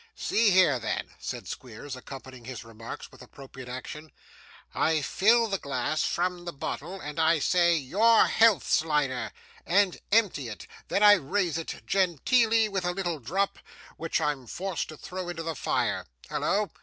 'See here, then,' said Squeers, accompanying his remarks with appropriate action, 'I fill the glass from the bottle, and I say "Your health, Slider," and empty it; then I rinse it genteelly with a little drop, which I'm forced to throw into the fire hallo!